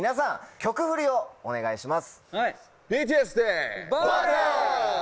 曲フリをお願いします。